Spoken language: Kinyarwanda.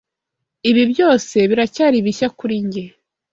Ibi byose biracyari bishya kuri njye.